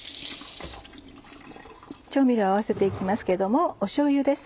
調味料合わせて行きますけどもしょうゆです。